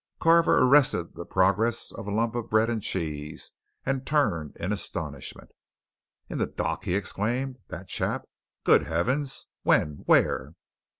Carver arrested the progress of a lump of bread and cheese and turned in astonishment. "In the dock?" he exclaimed. "That chap? Good heavens! When where?"